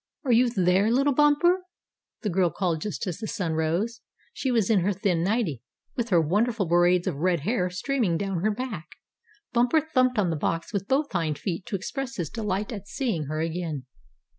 "Are you there, little Bumper?" the girl called just as the sun rose. She was in her thin nightie, with her wonderful braids of red hair streaming down her back. Bumper thumped on the box with both hind feet to express his delight at seeing her again.